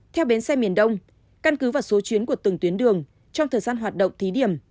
theo bến xe miền đông căn cứ vào số chuyến của từng tuyến đường trong thời gian hoạt động thí điểm